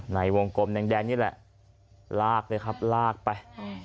ในวงกลมแดงนี่แหละลากเลยครับลากไป